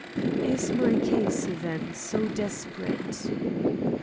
"Is my case, then, so desperate?"